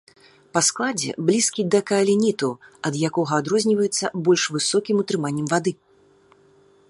Па складзе блізкі да каалініту, ад якога адрозніваецца больш высокім утрыманнем вады.